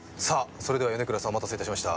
それでは米倉さんお待たせいたしました